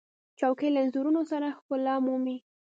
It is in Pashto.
چوکۍ له انځورونو سره ښکلا مومي.